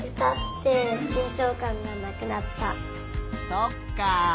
そっか。